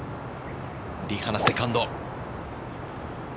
リ・ハナ、セカンド。